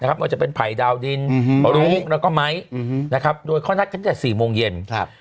ว่าจะเป็นไผ่ดาวดินรู้แล้วก็ไม้โดยเขานัดกันตั้งแต่๔โมงเย็น